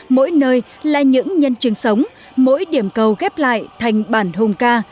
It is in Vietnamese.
mỗi nơi là những nhân chứng sống mỗi điểm cầu ghép lại thành bản hùng ca